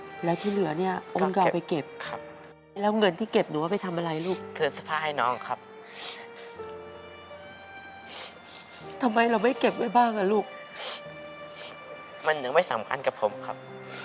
ทำไมเราไม่เก็บไว้บ้างอ่ะลูกมันยังไม่สำคัญกับผมครับ